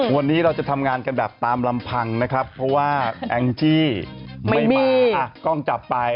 วันนี้เราจะทำงานกันแบบตามลำพังนะครับเพราะว่าแองจี้ไม่มากล้องจับไป